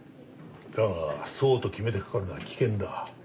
だがそうと決めてかかるのは危険だ。